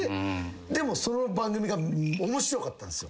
でもその番組が面白かったんすよ。